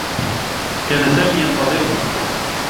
كان سامي ينتظرها.